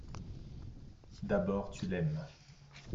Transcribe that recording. D’abord, tu l’aimes.